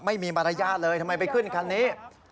ไม่มีมารยาทเลยทำไมไปขึ้นคันนี้